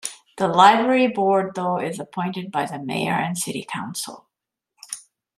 The library board though is appointed by the mayor and city council.